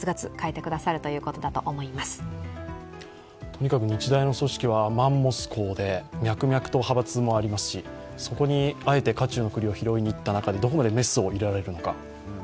とにかく日大の組織はマンモス校で脈々と派閥もありますし、そこであえて火中の栗を拾いに行った中で、どこまでメスを入れられるのか。